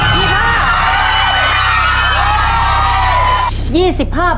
ตายแล้ว